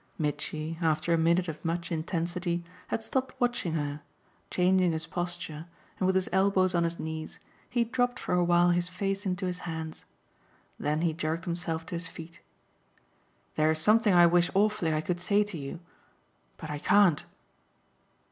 Mitchy, after a minute of much intensity, had stopped watching her; changing his posture and with his elbows on his knees he dropped for a while his face into his hands. Then he jerked himself to his feet. "There's something I wish awfully I could say to you. But I can't."